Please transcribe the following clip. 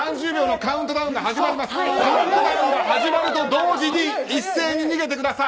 カウントダウンが始まると同時に一斉に逃げてください。